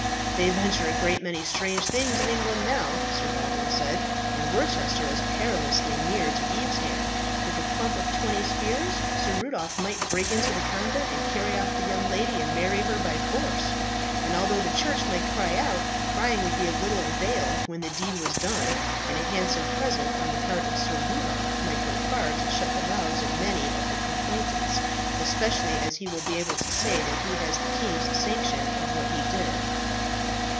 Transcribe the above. "They venture a great many strange things in England now," Sir Baldwin said; "and Worcester is perilously near to Evesham. With a clump of twenty spears, Sir Rudolph might break into the convent and carry off the young lady, and marry her by force; and although the Church might cry out, crying would be of little avail when the deed was done; and a handsome present on the part of Sir Rudolph might go far to shut the mouths of many of the complainants, especially as he will be able to say that he has the king's sanction for what he did."